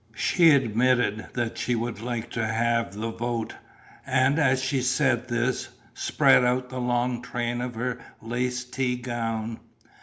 She admitted that she would like to have the vote and, as she said this, spread out the long train of her lace tea gown.